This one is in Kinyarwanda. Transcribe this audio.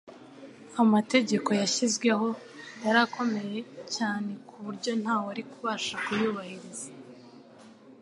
Amategeko yashyizweho yari akomeye cyane ku buryo nta wari kubasha kuyubahiriza.